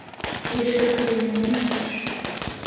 Тиде шӧртньӧ дене мом ышташ?